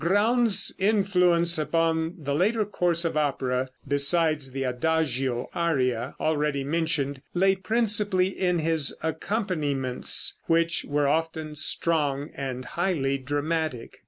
Graun's influence upon the later course of opera, besides the adagio aria already mentioned, lay principally in his accompaniments, which were often strong and highly dramatic.